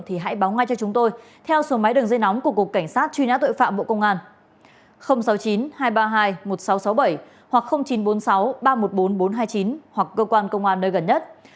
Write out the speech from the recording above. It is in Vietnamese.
hãy đăng ký kênh để ủng hộ kênh của mình nhé